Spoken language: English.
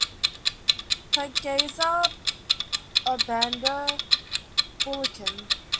Pag-Asa, Obando, Bulacan.